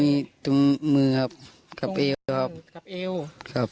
มีตรงมือครับกับเอวครับ